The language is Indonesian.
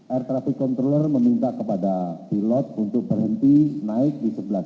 air traffic controller meminta kepada pilot untuk berhenti naik di sebelah